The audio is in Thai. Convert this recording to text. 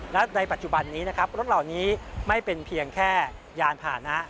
และในปัจจุบันนี้นะครับรถเหล่านี้ไม่เป็นเพียงแค่ยานผ่านนะ